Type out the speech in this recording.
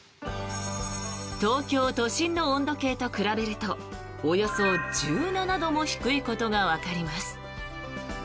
東京都心の温度計と比べるとおよそ１７度も低いことがわかります。